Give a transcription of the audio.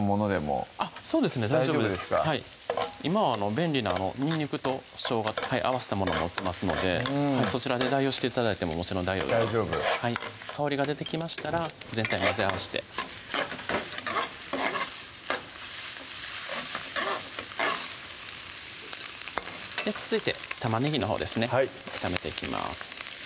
大丈夫です大丈夫ですか今は便利なにんにくとしょうが合わしたものも売ってますのでそちらで代用して頂いてももちろん大丈夫です香りが出てきましたら全体混ぜ合わして続いて玉ねぎのほうですね炒めていきます